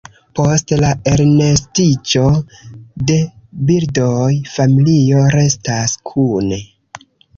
Post la elnestiĝo de birdoj, familio restas kune.